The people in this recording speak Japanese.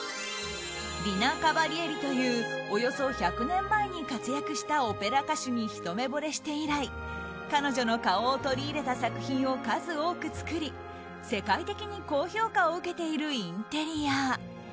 リナ・カバリエリというおよそ１００年前に活躍したオペラ歌手にひと目ぼれして以来彼女の顔を取り入れた作品を数多く作り世界的に高評価を受けているインテリア。